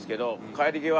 帰り際